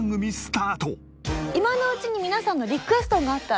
今のうちに皆さんのリクエストがあったら。